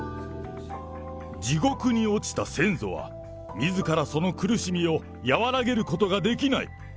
地獄に落ちた先祖は、みずからその苦しみを和らげることができない。